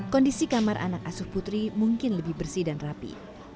kondisi kamar anak asuh putri mungkin lebih bersih dan rapi